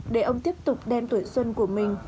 để ông tiếp tục đem tuổi xuân của mình